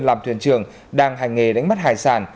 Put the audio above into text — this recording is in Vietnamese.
làm thuyền trưởng đang hành nghề đánh bắt hải sản